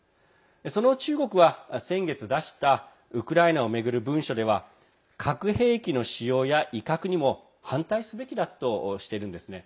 その中国は、先月出したウクライナを巡る文書では核兵器の使用や威嚇にも反対すべきだとしているんですね。